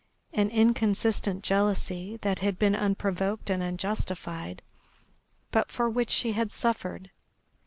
An inconsistent jealousy that had been unprovoked and unjustified, but for which she had suffered.